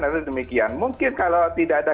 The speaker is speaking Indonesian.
tapi demikian mungkin kalau tidak ada